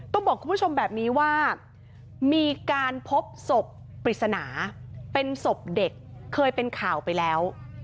ต้องบอกคุณผู้ชมแบบนี้ว่ามีการพบศพปริศนาเป็นศพเด็กเคยเป็นข่าวไปแล้ว